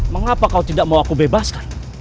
mengapa kau tidak mau aku bebaskan